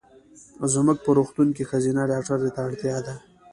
زمونږ په روغتون کې ښځېنه ډاکټري ته اړتیا ده.